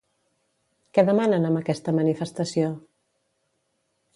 Què demanen amb aquesta manifestació?